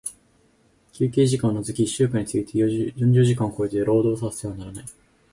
休憩時間を除き一週間について四十時間を超えて、労働させてはならない。